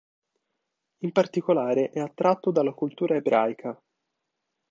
In particolare è attratto dalla cultura ebraica.